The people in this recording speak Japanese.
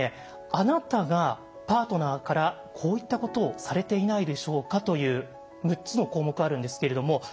あなたがパートナーからこういったことをされていないでしょうか？という６つの項目があるんですけれども。